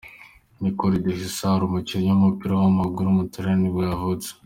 Nicolò De Cesare, umukinnyi w’umupira w’amaguru w’umutaliyani nibwo yavutse.